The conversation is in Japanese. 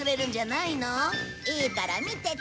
いいから見てて。